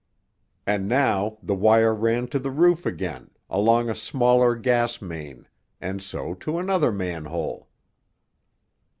And now the wire ran to the roof again, along a smaller gas main, and so to another manhole.